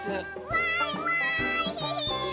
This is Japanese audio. わいわい！